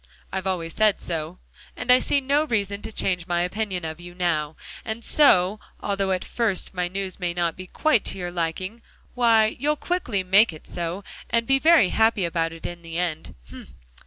I've always said so, and I see no reason to change my opinion of you now. And so, although at first my news may not be quite to your liking, why, you'll quickly make it so, and be very happy about it in the end.